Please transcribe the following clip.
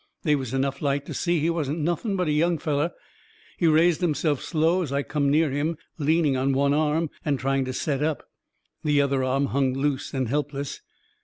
They was enough light to see he wasn't nothing but a young feller. He raised himself slow as I come near him, leaning on one arm and trying to set up. The other arm hung loose and helpless.